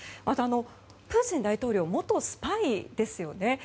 また、プーチン大統領は元スパイですよね。